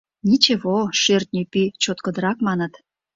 — Ничего, шӧртньӧ пӱй чоткыдырак, маныт.